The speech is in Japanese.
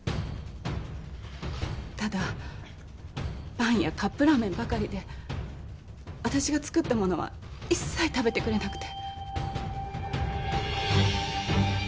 ただパンやカップラーメンばかりで私が作ったものは一切食べてくれなくて。